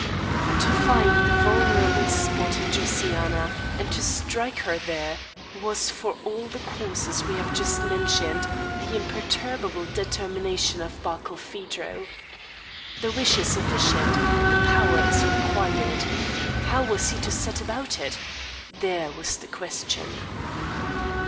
To find the vulnerable spot in Josiana, and to strike her there, was, for all the causes we have just mentioned, the imperturbable determination of Barkilphedro. The wish is sufficient; the power is required. How was he to set about it? There was the question.